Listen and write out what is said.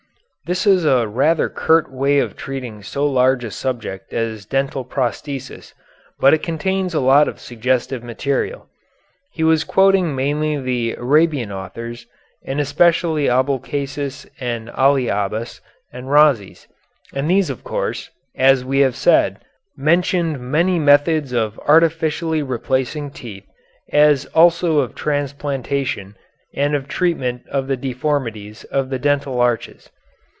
This is a rather curt way of treating so large a subject as dental prosthesis, but it contains a lot of suggestive material. He was quoting mainly the Arabian authors, and especially Abulcasis and Ali Abbas and Rhazes, and these of course, as we have said, mentioned many methods of artificially replacing teeth as also of transplantation and of treatment of the deformities of the dental arches.